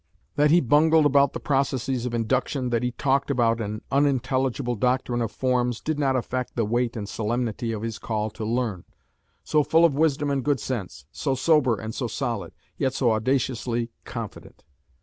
That he bungled about the processes of Induction, that he talked about an unintelligible doctrine of Forms, did not affect the weight and solemnity of his call to learn, so full of wisdom and good sense, so sober and so solid, yet so audaciously confident.